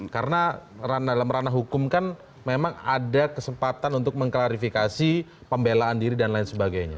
karena dalam ranah hukum kan memang ada kesempatan untuk mengklarifikasi pembelaan diri dan lain sebagainya